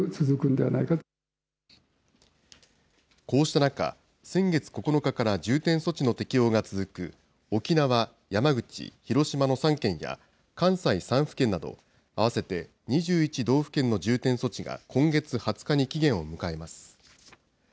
こうした中、先月９日から重点措置の適用が続く沖縄、山口、広島の３県や、関西３府県など、合わせて２１道府県の重点措置が、今月２０日に期限を迎えます。